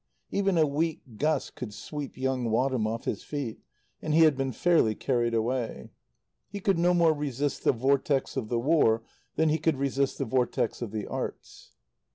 Even a weak gust could sweep young Wadham off his feet and he had been fairly carried away. He could no more resist the vortex of the War than he could resist the vortex of the arts.